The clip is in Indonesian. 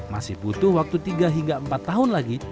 masih butuh waktu tiga hingga empat tahun lagi